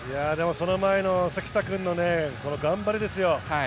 その前の関田君の頑張りですよ。